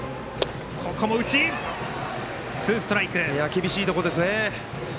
厳しいところですね。